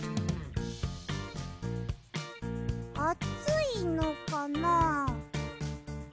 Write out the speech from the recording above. あついのかな？